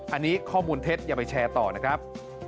อันนี้ข้อมูลเท็จอย่าไปแชร์ต่อนะครับ